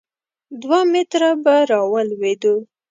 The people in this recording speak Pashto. دوه متره به را ولوېدو.